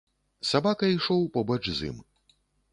Сабака ішоў побач з ім.